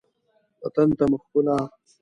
وطن ته مو ښکلا